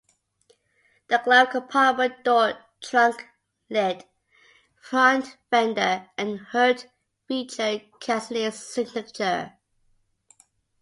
The glove compartment door, trunk lid, front fender, and hood featured Cassini's signature.